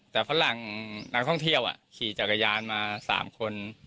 แต่ฝรั่งนักท่องเที่ยวขี่จักรยานมา๓คน